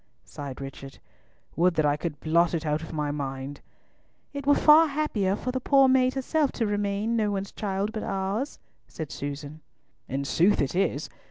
sighed Richard. "Would that I could blot it out of my mind." "It were far happier for the poor maid herself to remain no one's child but ours," said Susan. "In sooth it is!